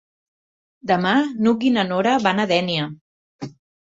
Demà n'Hug i na Nora van a Dénia.